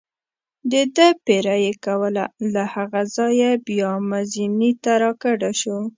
دده پیره یې کوله، له هغه ځایه بیا مزینې ته را کډه شو.